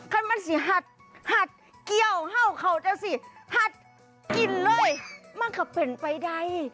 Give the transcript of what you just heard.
คันมันสิหัดหัดเกี่ยวเห่าเขาเจ้าสิหัดกินเลยมันก็เป็นไปได้